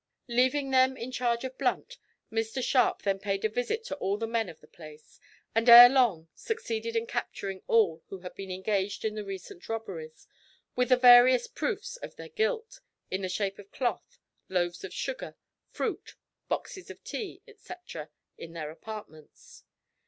Leaving them in charge of Blunt, Mr Sharp then paid a visit to all the men of the place, and ere long succeeded in capturing all who had been engaged in the recent robberies, with the various proofs of their guilt in the shape of cloth, loaves of sugar, fruit, boxes of tea, etcetera, in their apartments.